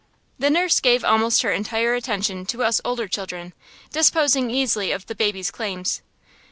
The nurse gave almost her entire attention to us older children, disposing easily of the baby's claims.